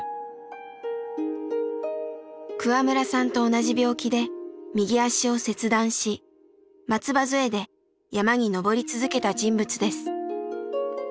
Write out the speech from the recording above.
桑村さんと同じ病気で右足を切断し松葉杖で山に登り続けた人物です。